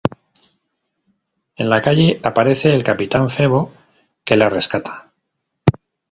En la calle aparece el capitán Febo, que la rescata.